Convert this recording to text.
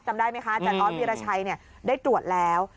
จำได้ไหมคะอาจารย์ออสวีรชัยได้ตรวจแล้ว